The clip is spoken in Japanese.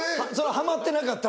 ハマってなかったら。